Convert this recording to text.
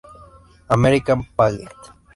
American Pageant"